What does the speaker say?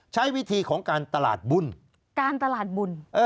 ใช้วิธีของการตลาดบุญการตลาดบุญ